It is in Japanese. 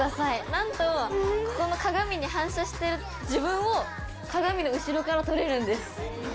なんとここの鏡に反射してる自分を鏡の後ろから撮れるんです。